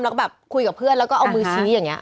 แล้วก็แบบคุยกับเพื่อนแล้วก็เอามือชี้อย่างนี้